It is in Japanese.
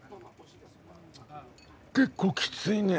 結構きついね。